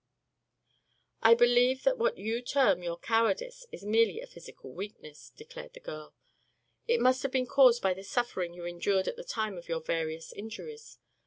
"I believe that what you term your cowardice is merely a physical weakness," declared the girl. "It must have been caused by the suffering you endured at the time of your various injuries.